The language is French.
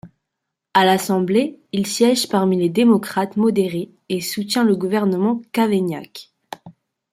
A l'Assemblée, il siège parmi les démocrates modérés et soutient le gouvernement Cavaignac.